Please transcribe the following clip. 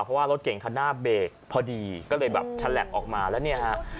เพราะว่ารถเก่งคันหน้าเบรกพอดีก็เลยแบบฉลับออกมาแล้วเนี่ยฮะ